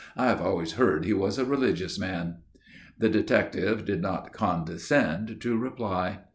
"I've always heard he was a religious man." The detective did not condescend to reply.